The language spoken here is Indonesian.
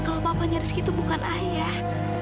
kalau papanya rizky tuh bukan ayah